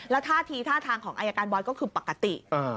ท่าทีท่าทางของอายการบอยก็คือปกติ